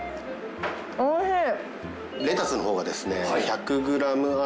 おいしい。